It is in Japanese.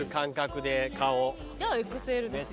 じゃあＸＬですよ。